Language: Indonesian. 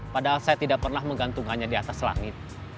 padahal saya tidak pernah menggantungkannya di atas langit